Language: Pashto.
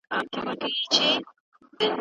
موږ د انټرنیټ له لارې د نړۍ له حاله خبریږو.